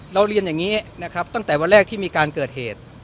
เรียนอย่างนี้นะครับตั้งแต่วันแรกที่มีการเกิดเหตุ